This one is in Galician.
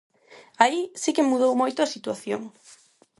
Aí si que mudou moito a situación.